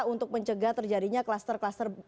untuk mencegah terjadinya kluster kluster